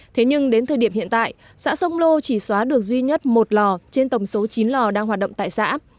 thế nhưng đến thời điểm hiện tại xã sông lô chỉ xóa được duy nhất một lò trên tổng số chín lò đang hoạt động tại xã